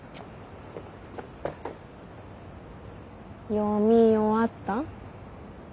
読み終わった？